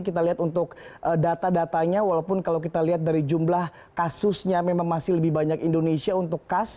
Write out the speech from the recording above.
kita lihat untuk data datanya walaupun kalau kita lihat dari jumlah kasusnya memang masih lebih banyak indonesia untuk kas